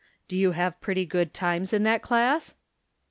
" Do you have pretty good times in that class